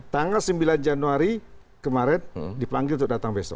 tanggal sembilan januari kemarin dipanggil untuk datang besok